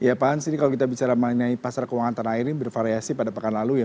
ya pak hans ini kalau kita bicara mengenai pasar keuangan tanah air ini bervariasi pada pekan lalu ya